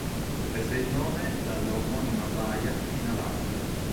Prese il nome dalla omonima baia in Alaska.